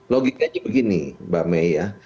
logikanya begini mbak may ya